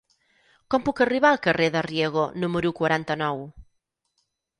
Com puc arribar al carrer de Riego número quaranta-nou?